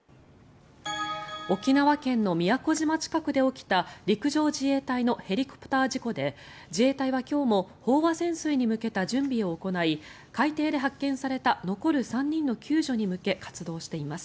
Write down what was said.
沖縄県の宮古島近くで起きた陸上自衛隊のヘリコプター事故で自衛隊は今日も飽和潜水に向けた準備を行い海底で発見された残る３人の救助に向け活動しています。